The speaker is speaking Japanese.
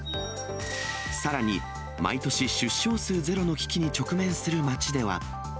さらに毎年、出生数ゼロの危機に直面する町では。